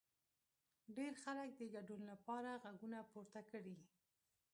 ډېر خلک د ګډون لپاره غږونه پورته کړي.